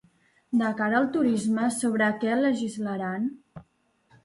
De cara al turisme, sobre què legislaran?